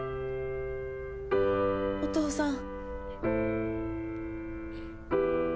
お父さん。